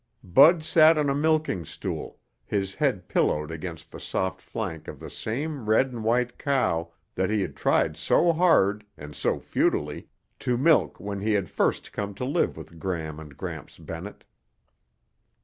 Bud sat on a milking stool, his head pillowed against the soft flank of the same red and white cow that he had tried so hard, and so futilely, to milk when he had first come to live with Gram and Gramps Bennett.